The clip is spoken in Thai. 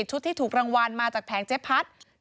ที่ถูกรางวัลมาจากแผงเจ๊พัด